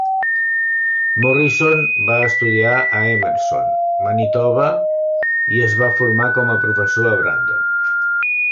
Morrison va estudiar a Emerson, Manitoba i es va formar com a professor a Brandon.